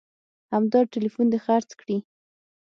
همدا ټلیفون دې خرڅ کړي